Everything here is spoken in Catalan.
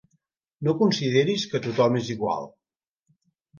No consideris que tothom és igual.